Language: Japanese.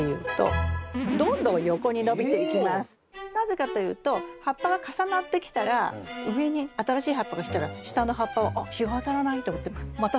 なぜかというと葉っぱが重なってきたら上に新しい葉っぱがきたら下の葉っぱはあっ日が当たらないと思ってまた更に伸びますよね。